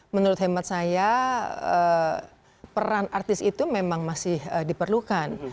menurut hemat saya peran artis itu memang masih diperlukan